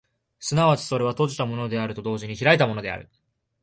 即ちそれは閉じたものであると同時に開いたものである。